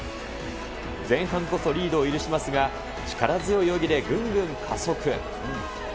前半こそリードを許しますが、力強い泳ぎでぐんぐん加速。